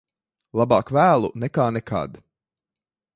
Labāk vēlu nekā nekad.